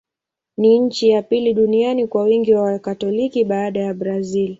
Ni nchi ya pili duniani kwa wingi wa Wakatoliki, baada ya Brazil.